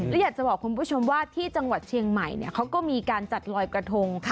และอยากจะบอกคุณผู้ชมว่าที่จังหวัดเชียงใหม่เขาก็มีการจัดลอยกระทง